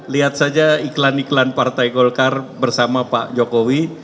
lihat saja iklan iklan partai golkar bersama pak jokowi